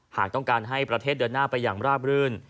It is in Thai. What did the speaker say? หากต้องการให้ประเทศเดินหน้าไปอย่างราบรื่น